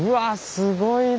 すごいな。